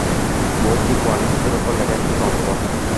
বইটি কোয়ালিস্টদের উপর লেখা একটি গ্রন্থ।